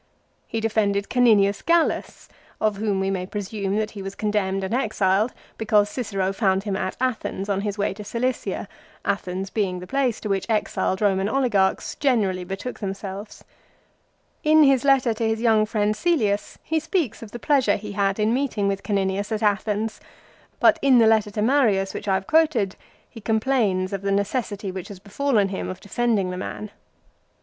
He defended Caninius Gallus, of whom we may presume that he was con demned and exiled because Cicero found him at Athens on his way to Cilicia, Athens being the place to which exiled Roman oligarchs generally betook themselves. 2 In his letter to his young friend Cselius he speaks of the pleasure he had 1 Ad Att. lib. iv. 16. a Ad. Div. ii. 8. VOL. II. E 50 LIFE OF CICERO. in meeting with Caninius at Athens ; but in the letter to Marius which I have quoted, he complains of the necessity which has befallen him of defending the man.